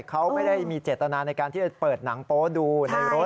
เขาไม่ได้มีเจตนาในการที่จะเปิดหนังโป๊ดูในรถ